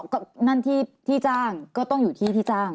ก็นั่นที่จ้างก็ต้องอยู่ที่ที่จ้าง